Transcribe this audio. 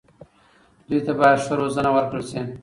دوی ته باید ښه روزنه ورکړل شي.